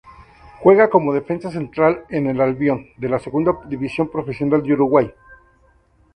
Juega como defensa central en Albion, de la Segunda División Profesional de Uruguay.